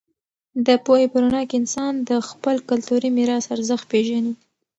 د پوهې په رڼا کې انسان د خپل کلتوري میراث ارزښت پېژني.